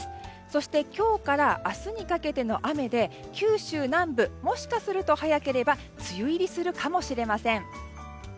そして今日から明日にかけての雨で九州南部、もしかすると早ければ梅雨入りするかもしれません。